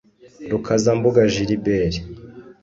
Rukazambuga Gilbert